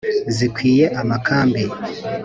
zikwiye amakambi,